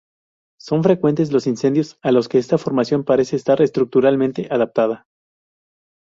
Son frecuentes los incendios, a los que esta formación parece estar estructuralmente adaptada.